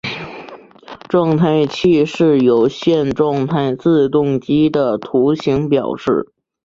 状态器是有限状态自动机的图形表示。